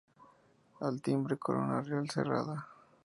Al timbre corona Real cerrada.